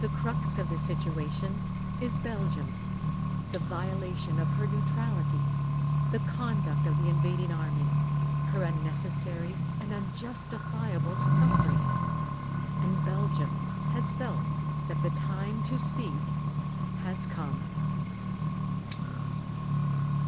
The crux of the situation is Belgium the violation of her neutrality; the conduct of the invading army; her unnecessary and unjustifiable suffering. And Belgium has felt that the time to speak has come.